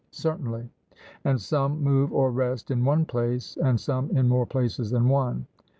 Certainly. 'And some move or rest in one place and some in more places than one?'